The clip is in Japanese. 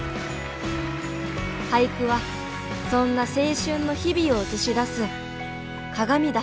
俳句はそんな青春の日々を映し出す鏡だ。